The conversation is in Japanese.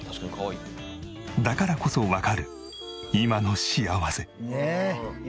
だからこそわかる今の幸せ。